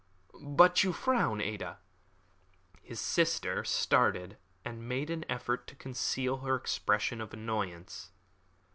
But you frown, Ada!" His sister started, and made an effort to conceal her expression of annoyance.